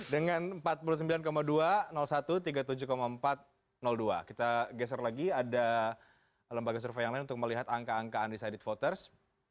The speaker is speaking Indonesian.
dengan empat puluh sembilan dua satu tiga puluh tujuh empat ratus dua kita geser lagi ada lembaga survei yang lain untuk melihat angka angka undecided voters